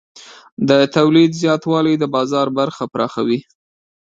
د تولید زیاتوالی د بازار برخه پراخوي.